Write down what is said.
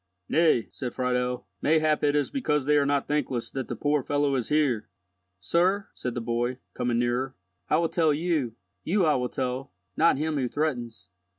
"Nay," said Friedel, "mayhap it is because they are not thankless that the poor fellow is here." "Sir," said the boy, coming nearer, "I will tell you—you I will tell—not him who threatens.